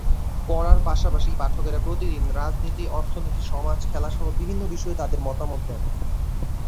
পড়ার পাশাপাশি পাঠকেরা প্রতিদিন রাজনীতি, অর্থনীতি, সমাজ, খেলাসহ বিভিন্ন বিষয়ে তাঁদের মতামত দেন।